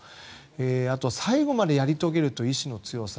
あとは最後までやり遂げるという意思の強さ。